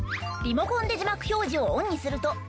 リモコンで字幕表示をオンにすると。